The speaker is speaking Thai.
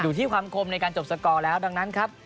อยู่ที่ความคมในการจบสกอร์แล้วดังนั้นครับ